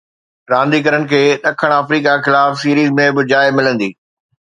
رانديگرن کي ڏکڻ آفريڪا خلاف سيريز ۾ به جاءِ ملندي.